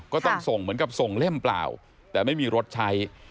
ก็ต้องส่งเหมือนกับส่งเล่มเปล่าแต่ไม่มีรถใช้